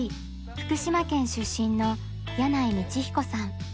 福島県出身の箭内道彦さん。